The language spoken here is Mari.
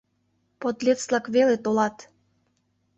Подлец-влак веле толат.